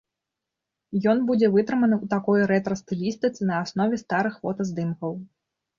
Ён будзе вытрыманы ў такой рэтра-стылістыцы, на аснове старых фотаздымкаў.